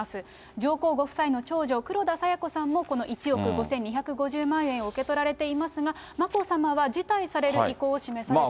上皇ご夫妻の長女、黒田清子さんも、この１億５２５０万円を受け取られていますが、眞子さまは辞退される意向を示されています。